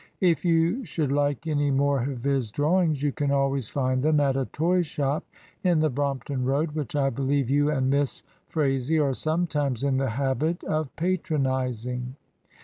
If you should like any more of his drawings, you can always find them at a toy shop in the Brompton Road, which I believe you and Miss Phraisie are sometimes in the habit of patronising.